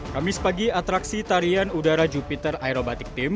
kami sepagi atraksi tarian udara jupiter aerobatic team